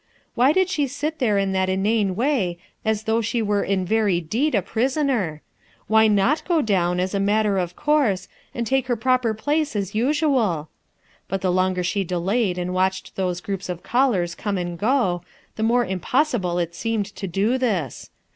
Why did she sit there in that inane way as though she were in very deed a prisoner ? Why not go down, as a matter of course, and take her proper place as usual ? But the longer she delayed and watched those groups of callers come and go, the more impossible it seemed to do this.